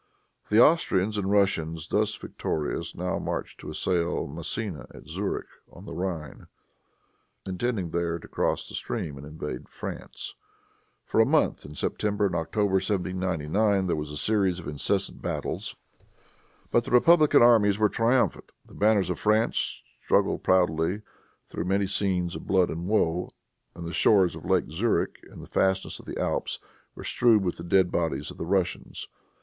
The Austrians and Russians, thus victorious, now marched to assail Massena at Zurich on the Rhine, intending there to cross the stream and invade France. For a month, in September and October, 1799, there was a series of incessant battles. But the republican armies were triumphant. The banners of France struggled proudly through many scenes of blood and woe, and the shores of Lake Zurich and the fastnesses of the Alps, were strewed with the dead bodies of the Russians.